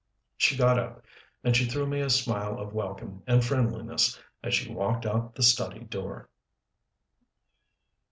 She got up; and she threw me a smile of welcome and friendliness as she walked out the study door.